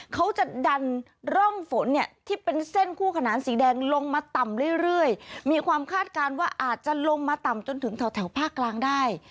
เขาจะดันร่องฝนเนี่ยที่เป็นเส้นคู่ขนานสีแดงลงมาต่ำเรื่อยมีความคาดการณ์ว่าอาจจะลงมาต่ำจนถึงแถวภาคกลางได้